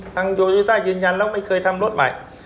โยต้ายืนยันแล้วไม่เคยทำรถใหม่